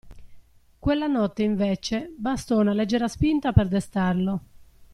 Quella notte, invece, bastò una leggera spinta per destarlo.